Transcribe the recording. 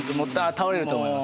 倒れると思います。